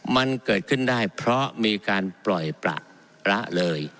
มันเกิดขึ้นได้เพราะมีการปล่อยประละเลย